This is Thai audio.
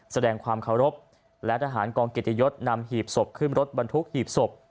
แสดงความเคารพและทหารกองเกียรติยศนำหีบศพขึ้นรถบรรทุกหีบศพ